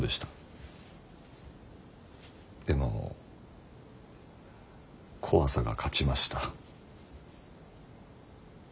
でも怖さが勝ちました。